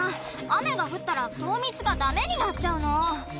雨が降ったら糖蜜がだめになっちゃうの。